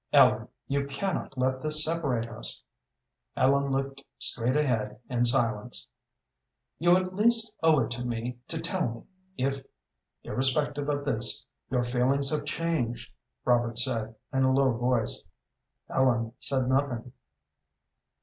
"Ellen, you cannot let this separate us." Ellen looked straight ahead in silence. "You at least owe it to me to tell me if, irrespective of this, your feelings have changed," Robert said, in a low voice. Ellen said nothing.